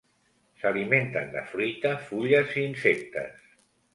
S'alimenten de fruita, fulles i insectes.